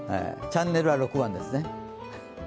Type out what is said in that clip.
チャンネルは６番ですね。